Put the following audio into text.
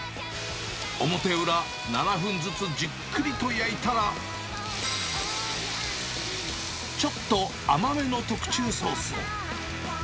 表裏７分ずつじっくりと焼いたら、ちょっと甘めの特注ソースを。